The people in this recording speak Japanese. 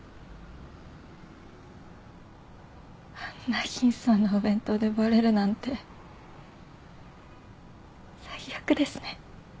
あんな貧相なお弁当でバレるなんて最悪ですね。